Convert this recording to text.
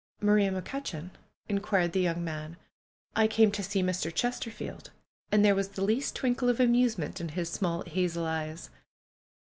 "Maria McCutcheon?" inquired the young man. "I came to see Mr. Chesterfield." And there was the least twinkle of amusement in his small hazel eyes.